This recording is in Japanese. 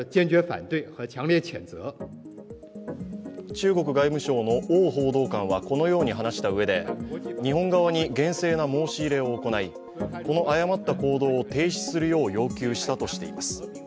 中国外務省の汪報道官はこのように話したうえで日本側に厳正な申し入れを行い、この誤った行動を停止するよう要求したとしています。